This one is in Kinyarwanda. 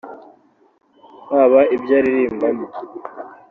haba ibyo aririmbamo